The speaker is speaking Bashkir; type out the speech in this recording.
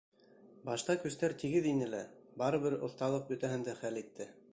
Башта көстәр тигеҙ ине лә, барыбер оҫталыҡ бөтәһен дә хәл итте.